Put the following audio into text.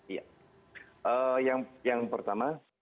iya yang pertama